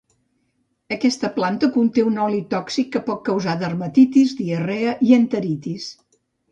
Aquesta planta conté un oli tòxic que pot causar dermatitis, diarrea i enteritis.